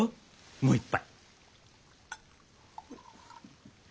もう１杯。